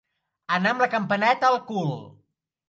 Anar amb la campaneta al cul.